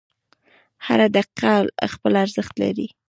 • هره دقیقه خپل ارزښت لري.